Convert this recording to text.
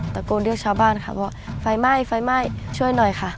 ตะโกนเรียกชาวบ้านค่ะว่าไฟไหม้ไฟไหม้ช่วยหน่อยค่ะ